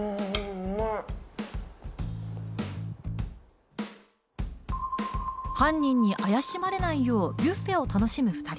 うまい犯人に怪しまれないようビュッフェを楽しむ２人